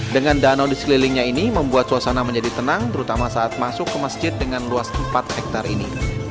dengan danau di sekelilingnya ini membuat suasana menjadi tenang terutama saat masuk ke masjid dengan luas empat hektare ini